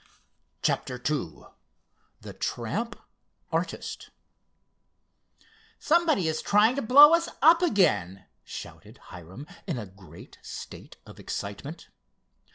CHAPTER II THE TRAMP ARTIST "Somebody is trying to blow us up again!" shouted Hiram, in a great state of excitement.